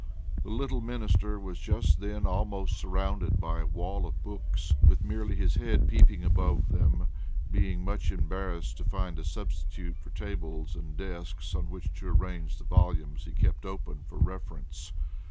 The little minister was just then almost surrounded by a wall of books, with merely his head peeping above them, being much embarrassed to find a substitute for tables and desks on which to arrange the volumes he kept open for reference.